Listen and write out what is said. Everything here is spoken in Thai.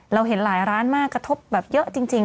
เห็นหลายร้านมากกระทบแบบเยอะจริง